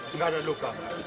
nggak ada luka